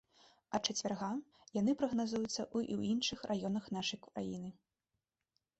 Ад чацвярга яны прагназуюцца і ў іншых рэгіёнах нашай краіны.